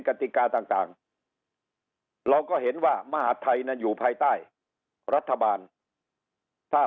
กติกาต่างเราก็เห็นว่ามหาดไทยนั้นอยู่ภายใต้รัฐบาลถ้า